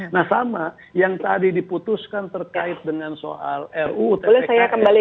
nah sama yang tadi diputuskan terkait dengan soal ru tpkm